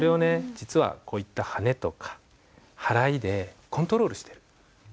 実はこういったはねとか払いでコントロールしてる。